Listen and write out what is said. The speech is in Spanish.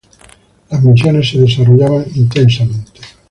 Las misiones se desarrollaban intensamente.